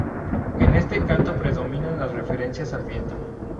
En este canto predominan las referencias al viento.